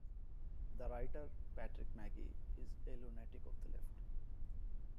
The writer, Patrick Magee, is a lunatic of the Left...